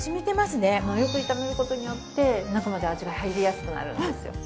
よく炒める事によって中まで味が入りやすくなるんですよ。